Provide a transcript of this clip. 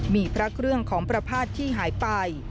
มีพระเครื่องของประพาทที่หายไป